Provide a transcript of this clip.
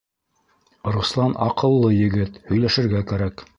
Руслан аҡыллы егет. һөйләшергә кәрәк.